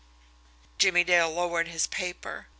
Jimmie Dale lowered his paper.